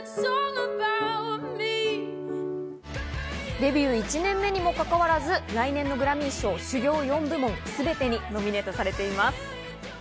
デビュー１年目にもかかわらず来年のグラミー賞主要４部門すべてにノミネートされています。